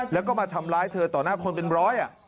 แล้วก็มาทำร้ายเธอต่อหน้าคนเป็นร้อย